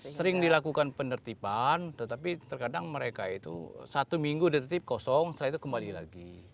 sering dilakukan penertiban tetapi terkadang mereka itu satu minggu ditertip kosong setelah itu kembali lagi